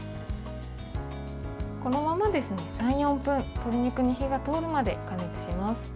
このままですね、３４分鶏肉に火が通るまで加熱します。